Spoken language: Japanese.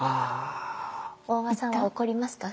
大場さんは怒りますか？